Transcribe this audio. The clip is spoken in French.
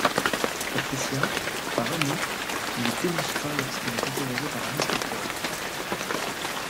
Patricia, par amour, ne le dénonce pas lorsqu'elle est interrogée par un inspecteur.